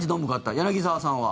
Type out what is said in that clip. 柳澤さんは？